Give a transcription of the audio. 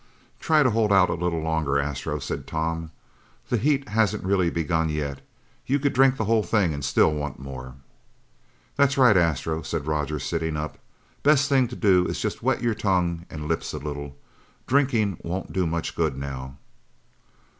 "Try to hold out a little longer, Astro," said Tom. "This heat hasn't really begun yet. You could drink the whole thing and still want more." "That's right, Astro," said Roger, sitting up. "Best thing to do is just wet your tongue and lips a little. Drinking won't do much good now."